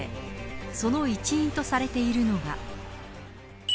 その一因とされているのが。